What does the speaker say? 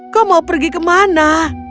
kau mau pergi ke mana